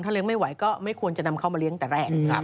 เลี้ยงไม่ไหวก็ไม่ควรจะนำเข้ามาเลี้ยงแต่แรก